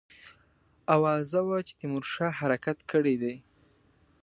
آوازه وه چې تیمورشاه حرکت کړی دی.